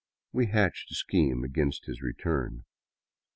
We hatched a scheme against his return.